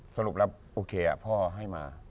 สรุปแล้วโอเคพ่อให้มา